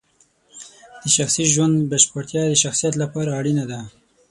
د شخصي ژوند بشپړتیا د شخصیت لپاره اړینه ده.